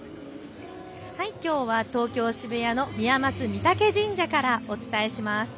きょうは東京渋谷の宮益御嶽神社からお伝えします。